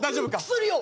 薬を。